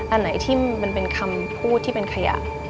อันไหนที่มันเป็นคำพูดที่เป็นขยะ